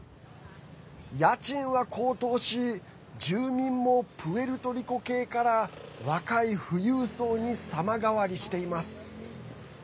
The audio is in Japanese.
家賃は高騰し住民も、プエルトリコ系から若い富裕層に様変わりしています。